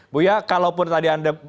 buya kalaupun tadi anda